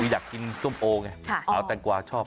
อยากกินส้มโอไงเอาแตงกวาชอบ